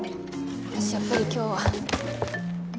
私やっぱり今日は。